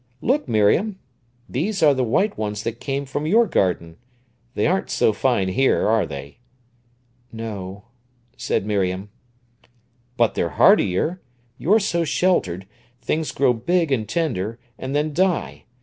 "Look, Miriam; these are the white ones that came from your garden. They aren't so fine here, are they?" "No," said Miriam. "But they're hardier. You're so sheltered; things grow big and tender, and then die.